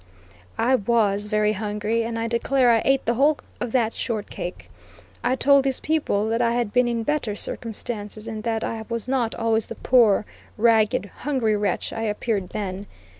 I was very hungry, and I declare I ate the whole of that short cake. I told these people that I had been in better circumstances, and that I was not always the poor, ragged, hungry wretch I appeared then.